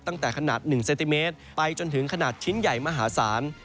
ตั้งแต่ขนาด๑เซนติเมตรไปจนถึงขนาดชิ้นใหญ่มหาศาล